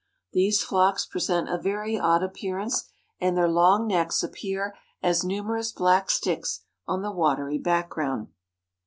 These flocks present a very odd appearance and their long necks appear as numerous black sticks on the watery background.